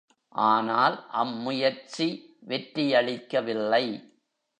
ஆனால் அம் முயற்சி வெற்றியளிக்கவில்லை.